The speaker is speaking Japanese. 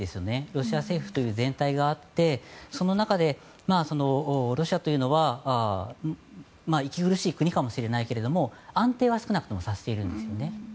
ロシア政府という全体があってその中で、ロシアというのは息苦しい国かもしれないけれども安定は少なくともさせているんですよね。